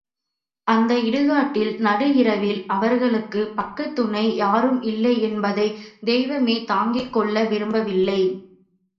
அந்த இடுகாட்டில் நடு இரவில் அவளுக்குப் பக்கத்துணை யாரும் இல்லை என்பதைத் தெய்வமே தாங்கிக் கொள்ள விரும்பவில்லை.